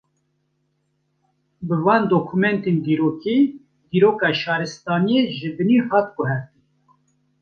Bi van dokumentên dîrokî, dîroka şaristaniyê ji binî hat guhartin